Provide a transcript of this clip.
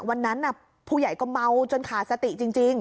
วันนั้นผู้ใหญ่ก็เมาจนขาดสติจริง